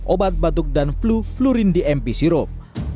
obat batuk dan flu flurin dmp sirup